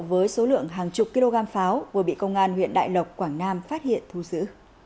với số lượng hàng chục kg pháo vừa bị công an huyện đại lộc quảng nam phát hiện thu giữ